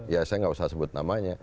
ya saya nggak usah sebut namanya